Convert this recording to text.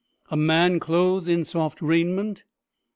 A man clothed in soft raiment?